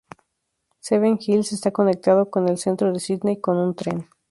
Seven Hills está conectado con el Centro de Sídney con un tren.